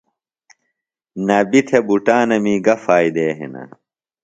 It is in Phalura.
نبی تھےۡ بُٹانَمی گہ فائدے ہِنہ ؟